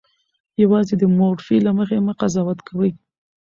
یوازې د مورفي له مخې مه قضاوت کوئ.